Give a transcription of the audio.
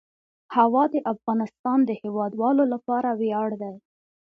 هوا د افغانستان د هیوادوالو لپاره ویاړ دی.